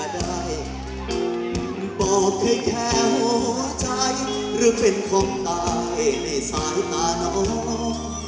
เป็นแค่หัวใจหรือเป็นของตายในสายตานอม